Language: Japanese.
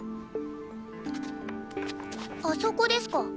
あそこですか？